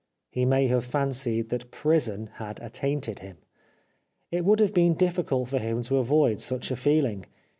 He may have fancied that prison had attainted him. It would have been difficult for him to avoid such a feeling.